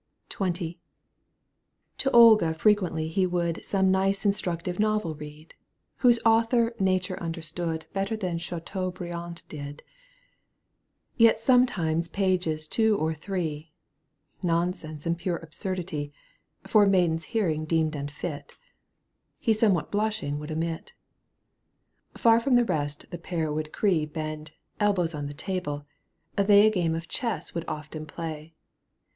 XX. To Olga frequently he would Some nice instructive novel read, Whose author nature understood Better than Chateaubriand did. Digitized by CjOOQ 1С CiLNTO IV. EUGENE OinfeGUINE. Ill Yet sometimes pages two or three (Nonsense and pure absurdity, For maiden's hearing deemed unfit), He somewhat blushing would omit : Far from the rest the pair would creep And (elbows on the table jthey x' A game of chess would often play.